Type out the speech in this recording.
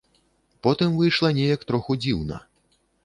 Потым выйшла неяк троху дзіўна.